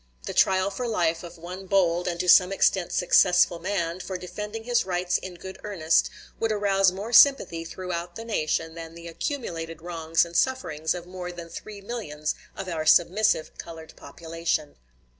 The trial for life of one bold, and to some extent successful, man, for defending his rights in good earnest, would arouse more sympathy throughout the nation than the accumulated wrongs and sufferings of more than three millions of our submissive colored population."